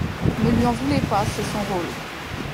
Ne lui en voulez pas, c’est son rôle.